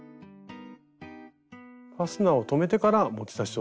ファスナーを留めてから持ち出しを留めるんですね。